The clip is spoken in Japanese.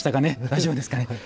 大丈夫ですかね？